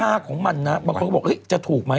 ราคาของมันนะบางคนบอกจะถูกไหม